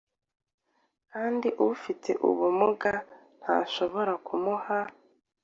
kandi ufite ubumugantashobora kumuha